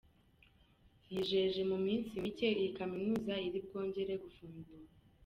Yijeje ko mu minsi mike iyi kaminuza iri bwongere gufungurwa.